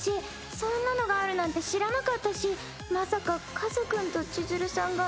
そんなのがあるなんて知らなかったしまさか和君と千鶴さんがその。